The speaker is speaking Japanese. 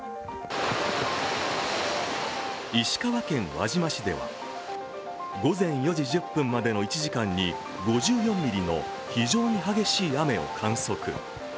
石川県輪島市では、午前４時１０分までの１時間に５４ミリの非常に激しい雨を観測。